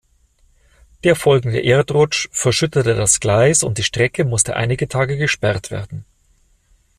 Der folgende Erdrutsch verschüttete das Gleis und die Strecke musste einige Tage gesperrt werden.